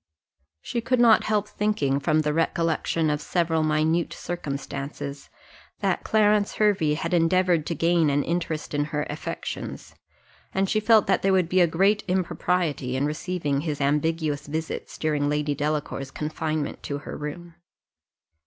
She could not help thinking, from the recollection of several minute circumstances, that Clarence Hervey had endeavoured to gain an interest in her affections, and she felt that there would be great impropriety in receiving his ambiguous visits during Lady Delacour's confinement to her room.